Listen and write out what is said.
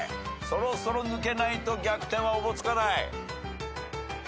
そろそろ抜けないと逆転はおぼつかない。